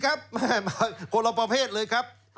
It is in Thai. แม่มาคนละประเภทเลยครับ